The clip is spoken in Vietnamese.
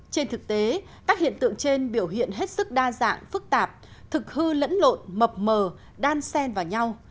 trên thực tế các hiện tượng trên biểu hiện hết sức đa dạng phức tạp thực hư lẫn lộn mập mờ đan sen vào nhau